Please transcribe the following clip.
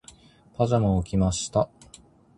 パジャマを着ました。